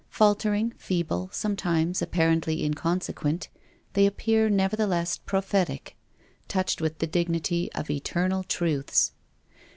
Faltering, feeble, sometimes apparently inconsequent, they appear nevertheless prophetic, touched with the dignity of Eternal truths.